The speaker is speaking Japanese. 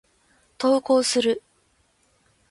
投稿する。